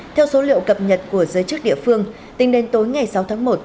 theo số liệu cập nhật của giới chức địa phương tính đến tối ngày sáu tháng một